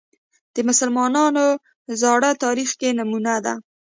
د مسلمانانو زاړه تاریخ کې نمونه ده